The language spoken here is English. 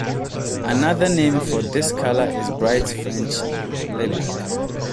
Another name for this color is bright French lilac.